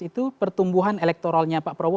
itu pertumbuhan elektoralnya pak prabowo